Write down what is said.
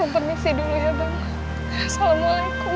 permisi dulu ya